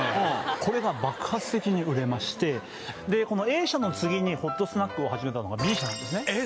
これが爆発的に売れましてこのＡ社の次にホットスナックを始めたのがＢ社なんですねえっ